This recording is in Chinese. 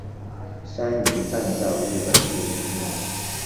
山梨半造日本陆军军人。